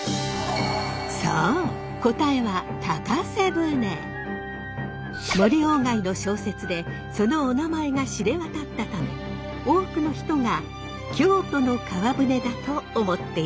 そう答えは森外の小説でそのおなまえが知れ渡ったため多くの人が京都の川舟だと思っているかもしれませんが。